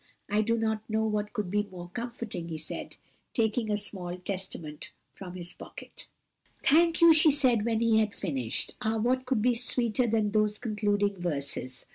I do not know what could be more comforting," he said, taking a small Testament from his pocket. "Thank you," she said when he had finished. "Ah, what could be sweeter than those concluding verses!